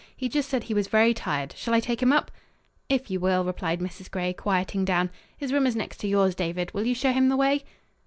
He just said he was very tired. Shall I take him up?" "If you will," replied Mrs. Gray, quieting down. "His room is next yours, David. Will you show him the way?"